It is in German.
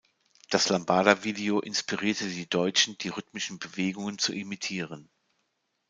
Das „Lambada“-Video inspirierte die Deutschen, die rhythmischen Bewegungen zu imitieren.